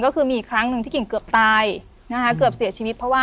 ก็คือมีอีกครั้งหนึ่งที่กิ่งเกือบตายนะคะเกือบเสียชีวิตเพราะว่า